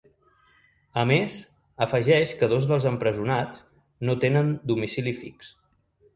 A més, afegeix que dos dels empresonats no tenen domicili fix.